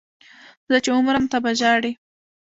زه چې ومرم ته به ژاړې